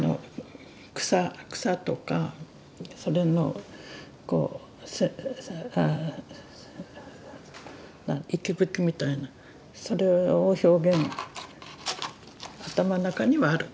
草とかそれのこう息吹みたいなそれを表現頭の中にはある。